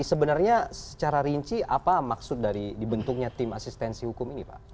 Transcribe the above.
sebenarnya secara rinci apa maksud dari dibentuknya tim asistensi hukum ini pak